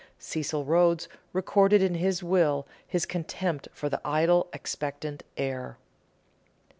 Cecil Rhodes recorded in his will his contempt for the idle, expectant heir.